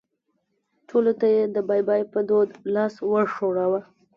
ټولو ته یې د بای بای په دود لاس وښوراوه.